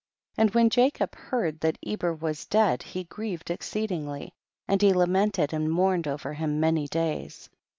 16. And when Jacob heard that Eber was dead he grieved exceed ingly, and he lamented and mourned over him many days.